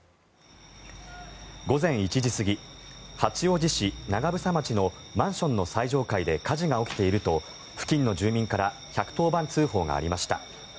午前１時過ぎ八王子市長房町のマンションの最上階で火事が起きていると付近の住民から１１０番通報がありました。